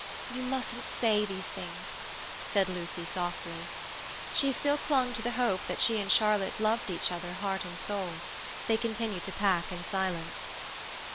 "You mustn't say these things," said Lucy softly. She still clung to the hope that she and Charlotte loved each other, heart and soul. They continued to pack in silence.